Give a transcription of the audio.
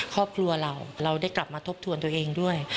ครอบครัวเราเราได้กลับมาทบทวนตัวเองด้วย